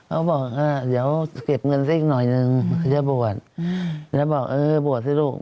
เขาบอกเดี๋ยวเก็บเงินซะอีกหน่อยนึงเขาจะบวชแล้วบอกเออบวชสิลูก